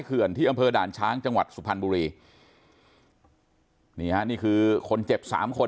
เขื่อนที่อำเภอด่านช้างจังหวัดสุพรรณบุรีนี่ฮะนี่คือคนเจ็บสามคน